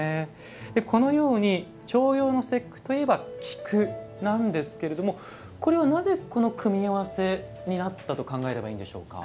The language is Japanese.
このように、重陽の節句といえば菊なんですけれどもこれはなぜこの組み合わせになったと考えればいいんでしょうか。